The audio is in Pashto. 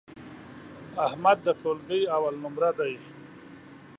احمد د ټولگي اول نمره دی.